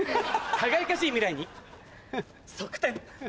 輝かしい未来に側転。